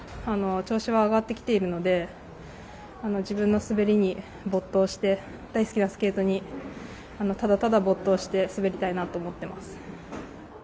調子は上がってきているので自分の滑りに没頭して大好きなスケートにただただ没頭して滑りたいなと思ってます。